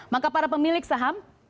maka para pemilik saham